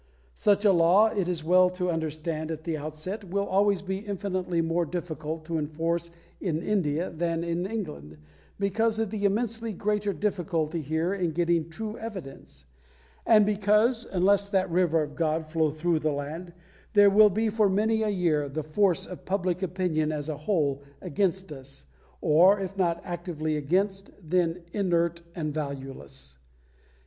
Such a law, it is well to understand at the outset, will always be infinitely more difficult to enforce in India than in England, because of the immensely greater difficulty here in getting true evidence; and because unless that River of God flow through the land there will be for many a year the force of public opinion as a whole against us, or if not actively against, then inert and valueless.